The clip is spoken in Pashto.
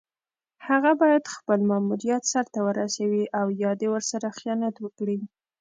هغه باید خپل ماموریت سر ته ورسوي او یا دې ورسره خیانت وکړي.